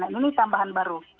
ini tambahan baru